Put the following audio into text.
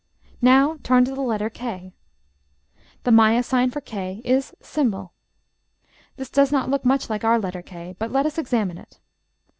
Now turn to the letter k. The Maya sign for k is ###. This does not look much like our letter K; but let us examine it.